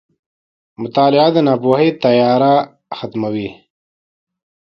• مطالعه د ناپوهۍ تیاره ختموي.